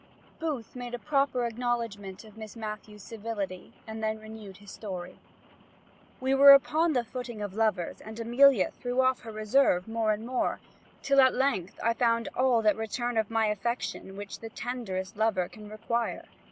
_ Booth made a proper acknowledgment of Miss Matthew's civility, and then renewed his story. "We were upon the footing of lovers; and Amelia threw off her reserve more and more, till at length I found all that return of my affection which the tenderest lover can require.